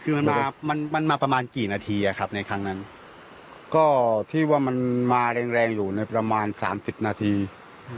คือมันมามันมันมาประมาณกี่นาทีอะครับในครั้งนั้นก็ที่ว่ามันมาแรงแรงอยู่ในประมาณสามสิบนาที